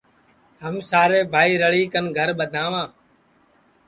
ہم سارے بھائی رَݪی کن گھرا ٻدھاواں